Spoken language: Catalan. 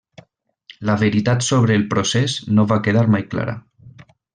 La veritat sobre el procés no va quedar mai clara.